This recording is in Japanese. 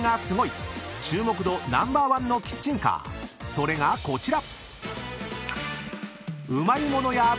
［それがこちら］